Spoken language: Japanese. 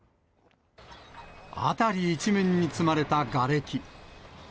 辺り一面に積まれたがれき。